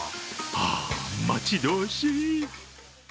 あー、待ち遠しい。